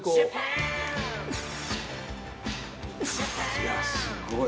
いやすごい。